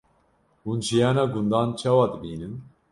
Hûn jiyana gundan çawa dibînin?